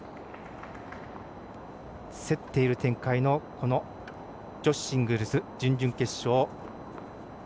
競っている展開の女子シングルス準々決勝